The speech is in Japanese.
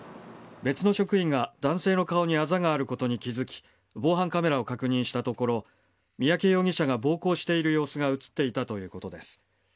別の職員が男性の顔にあざがあることに気付き、防犯カメラを確認したところ、三宅容疑者が暴行している様子が映っていたということです。